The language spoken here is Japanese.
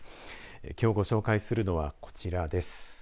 今日ご紹介するのはこちらです。